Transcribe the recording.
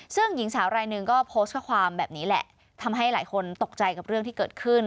ซึ่งหญิงสาวรายหนึ่งก็โพสต์ข้อความแบบนี้แหละทำให้หลายคนตกใจกับเรื่องที่เกิดขึ้น